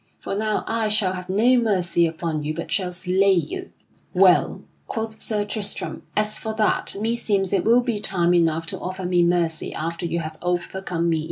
For now I shall have no mercy upon you but shall slay you." "Well," quoth Sir Tristram, "as for that, meseems it will be time enough to offer me mercy after you have overcome me in battle."